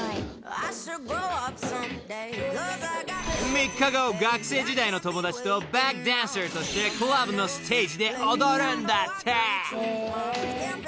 ［３日後学生時代の友達とバックダンサーとしてクラブのステージで踊るんだって］